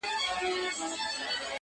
د هر چا خپل غمونه خپله بلا